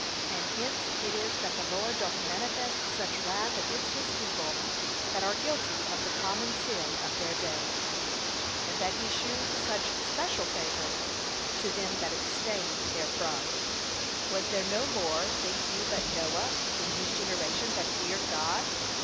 And hence it is that the Lord doth manifest such wrath against his people that are guilty of the common sin of their day, and that he shews such special favour to them that abstain therefrom. Was there no more, think you, but Noah, in his generation, that feared God?